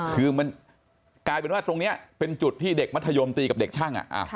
คือมันกลายเป็นว่าตรงนี้เป็นจุดที่เด็กมัธยมตีกับเด็กช่าง